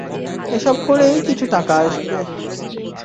এসব করেই কিছু টাকা আসবে।